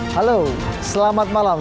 halo selamat malam